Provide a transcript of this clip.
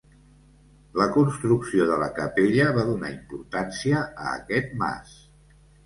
La construcció de la capella va donar importància a aquest mas.